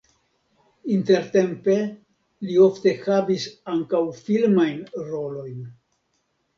Intertempe li ofte havis ankaŭ filmajn rolojn.